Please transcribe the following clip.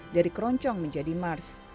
dari keroncong menjadi mars